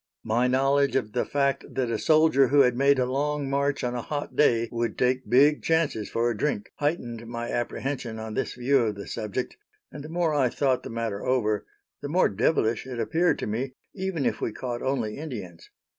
My knowledge of the fact that a soldier who had made a long march on a hot day would take big chances for a drink, heightened my apprehension on this view of the subject, and the more I thought the matter over, the more devilish it appeared to me, even if we caught only Indians.